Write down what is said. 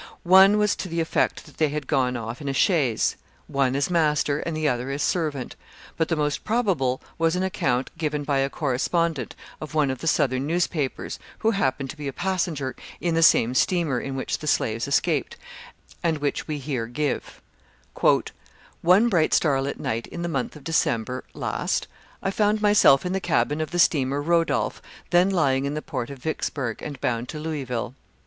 One was to the effect that they had gone off in a chaise; one as master, and the other as servant. But the most probable was an account given by a correspondent of one of the Southern newspapers, who happened to be a passenger in the same steamer in which the slaves escaped, and which we here give: "One bright starlight night, in the month of December last, I found myself in the cabin of the steamer Rodolph, then lying in the port of Vicksburgh, and bound to Louisville.